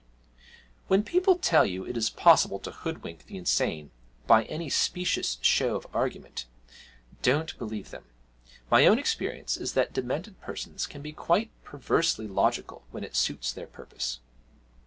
When people tell you it is possible to hoodwink the insane by any specious show of argument, don't believe them; my own experience is that demented persons can be quite perversely logical when it suits their purpose.